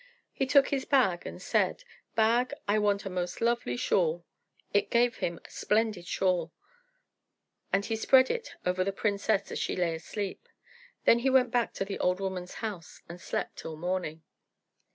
He took his bag and said, "Bag, I want a most lovely shawl." It gave him a splendid shawl, and he spread it over the princess as she lay asleep. Then he went back to the old woman's house and slept till morning.